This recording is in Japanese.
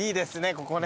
ここね。